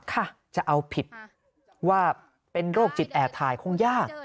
ค่ะจะเอาผิดว่าเป็นโรคจิตแอบถ่ายคงยาก